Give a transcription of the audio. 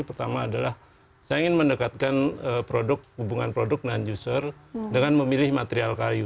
pertama adalah saya ingin mendekatkan hubungan produk dan user dengan memilih material kayu